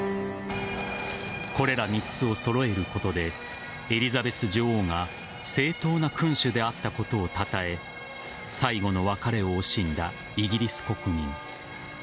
これら３つを揃えることでエリザベス女王が正当な君主であったことをたたえ最後の別れを惜しんだイギリス国民。